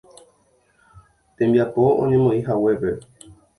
Tembiapo oñemoĩhaguépe.